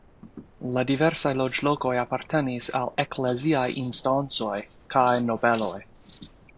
La diversaj loĝlokoj apartenis al ekleziaj instancoj kaj nobeloj.